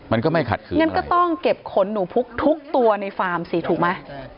มันก็ไม่ขัดขืนงั้นก็ต้องเก็บขนหนูพุกทุกตัวในฟาร์มสิถูกไหม